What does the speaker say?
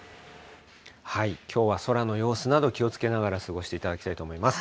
きょうは空の様子など、気をつけながら過ごしていただきたいと思います。